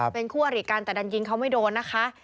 เป็นคู่อริกันแต่ดันยิงเขาไม่โดนนะคะ